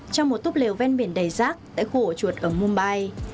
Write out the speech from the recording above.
trong một túp lều ven biển đầy rác tại khổ chuột ở mumbai